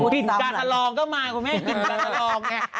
พิษกาสรองก็มาคุณแม่พิษกาสรองไง